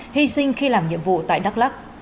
hy sinh khi làm nhiệm vụ tại đắk lắc